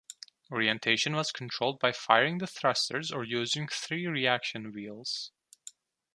Orientation was controlled by firing the thrusters or using three reaction wheels.